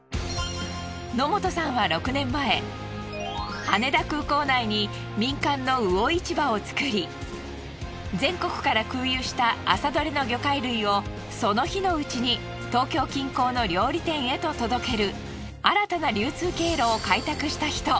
野本さんは６年前羽田空港内に民間の魚市場を作り全国から空輸した朝どれの魚介類をその日のうちに東京近郊の料理店へと届ける新たな流通経路を開拓した人。